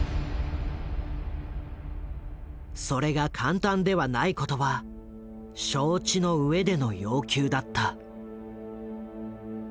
それが簡単ではないことは承知の上での要求だった。